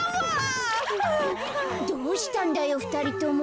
どうしたんだよふたりとも。